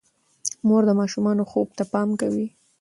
مور د ماشومانو خوب ته پام کوي.